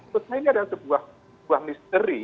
menurut saya ini adalah sebuah misteri